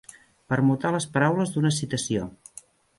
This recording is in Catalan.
Permutar les paraules d'una citació.